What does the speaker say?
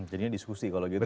jadinya diskusi kalau gitu